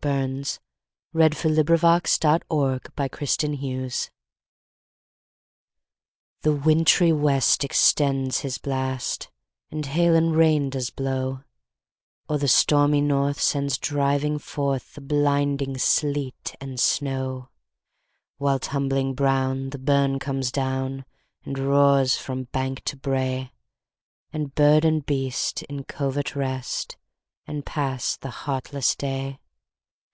The Harvard Classics. 1909–14. 1781 15 . Winter: A Dirge THE WINTRY west extends his blast, And hail and rain does blaw; Or the stormy north sends driving forthThe blinding sleet and snaw:While, tumbling brown, the burn comes down, And roars frae bank to brae; And bird and beast in covert rest, And pass the heartless day.